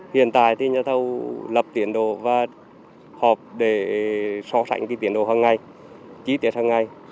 hiện tại thì nhà thâu lập tiền đồ và họp để so sánh tiền đồ hằng ngày trí tiết hằng ngày